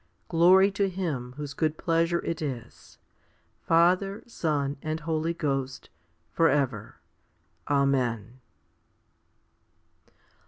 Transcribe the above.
Glory to Him whose good pleasure it is, Father, Son, and Holy Ghost, for ever. Amen.